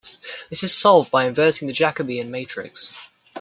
This is solved by inverting the Jacobian matrix.